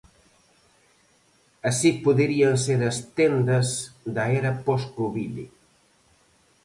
Así poderían ser as tendas da era poscovid.